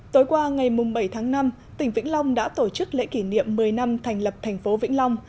tối qua ngày bảy tháng năm tỉnh vĩnh long đã tổ chức lễ kỷ niệm một mươi năm thành lập thành phố vĩnh long